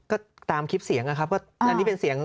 ก็ตามคลิปเสียงนะครับก็อันนี้เป็นเสียง